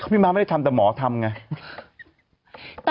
ม้าไม่ได้ทำแต่หมอทำไง